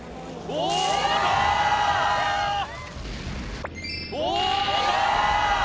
おお！